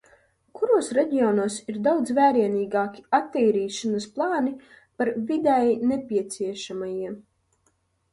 Kuros reģionos ir daudz vērienīgāki attīrīšanas plāni par vidēji nepieciešamajiem?